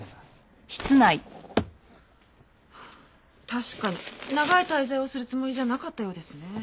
確かに長い滞在をするつもりじゃなかったようですね。